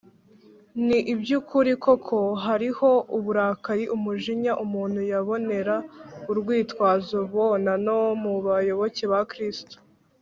ni iby’ukuri koko hariho uburakari/umujinya umuntu yabonera urwitwazo, bona no mu bayoboke ba kristo